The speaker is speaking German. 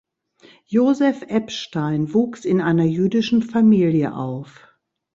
Joseph Epstein wuchs in einer jüdischen Familie auf.